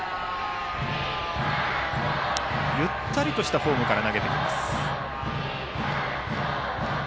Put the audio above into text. ゆったりとしたフォームから投げてきます。